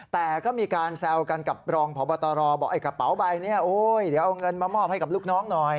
แต่ก็มีการแซวกันกับรองพบตรบอกไอ้กระเป๋าใบนี้เดี๋ยวเอาเงินมามอบให้กับลูกน้องหน่อย